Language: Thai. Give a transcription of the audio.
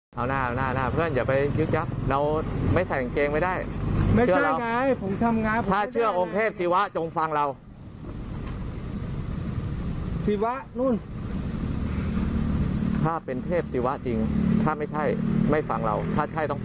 เป็นส่วนสิบวัตรและส่วนสิบวัตร